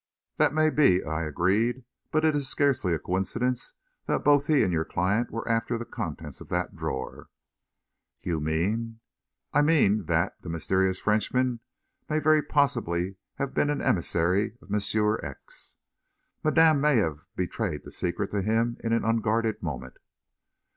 "That may be," I agreed, "but it is scarcely a coincidence that both he and your client were after the contents of that drawer." "You mean...." "I mean that the mysterious Frenchman may very possibly have been an emissary of Monsieur X. Madame may have betrayed the secret to him in an unguarded moment."